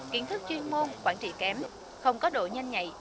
kiến thức chuyên môn quản trị kém không có độ nhanh nhạy